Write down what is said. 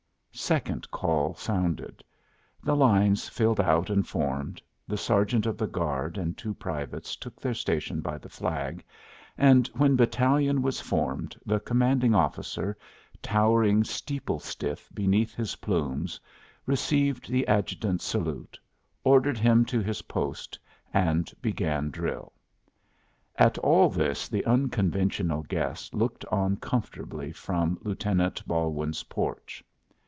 Second call sounded; the lines filed out and formed, the sergeant of the guard and two privates took their station by the flag, and when battalion was formed the commanding officer, towering steeple stiff beneath his plumes, received the adjutant's salute, ordered him to his post, and began drill. At all this the unconventional guest looked on comfortably from Lieutenant Balwin's porch.